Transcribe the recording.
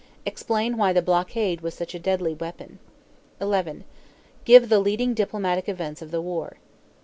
Explain why the blockade was such a deadly weapon. 11. Give the leading diplomatic events of the war.